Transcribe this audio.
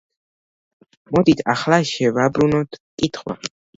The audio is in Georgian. მოდით ახლა შევაბრუნოთ კითხვა.